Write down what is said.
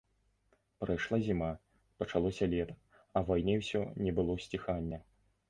Прайшла зіма, пачалося лета, а вайне ўсё не было сціхання.